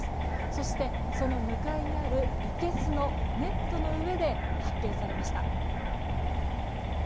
そして、その向かいにあるいけすのネットの上で発見されました。